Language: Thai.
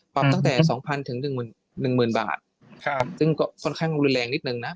ปรับตั้งแต่๒๐๐๐ถึง๑๐๐๐บาทซึ่งก็ค่อนข้างแรงนิดนึงนะครับ